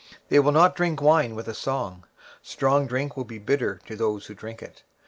23:024:009 They shall not drink wine with a song; strong drink shall be bitter to them that drink it.